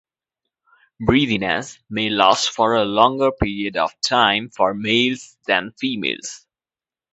Breathiness may last for a longer period of time for males than females.